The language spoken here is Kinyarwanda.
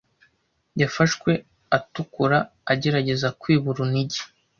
Yafashwe atukura agerageza kwiba urunigi.